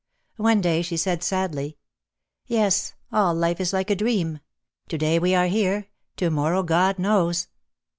One day she said sadly, "Yes, all life is like a dream. To day we are here, to morrow God knows."